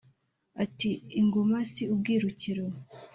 ati: ingoma si ubwirukiro.